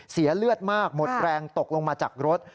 เสียเลือดมากหมดแรงตกลงมาจากรถ